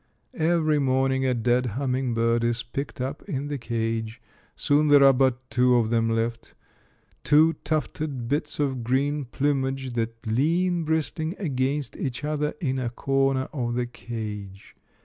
Every morning a dead humming bird is picked up in the cage ; soon there are but two of them left, two tufted bits of green plumage that lean, bristhng, against each other in a corner of the cage.